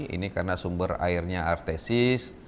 ini karena sumber airnya artesis